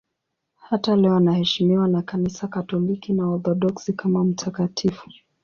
Hata leo anaheshimiwa na Kanisa Katoliki na Waorthodoksi kama mtakatifu.